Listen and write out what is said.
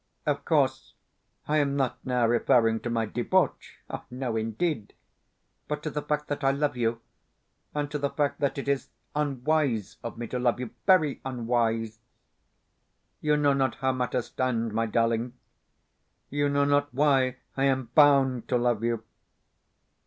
Of course I am not now referring to my debauch (no, indeed!), but to the fact that I love you, and to the fact that it is unwise of me to love you very unwise. You know not how matters stand, my darling. You know not why I am BOUND to love you.